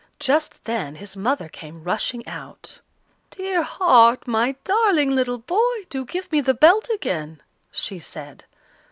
Just then his mother came rushing out: "Dear heart, my darling little boy! do give me the belt again," she said.